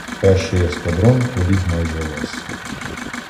Перший ескадрон поліг майже весь.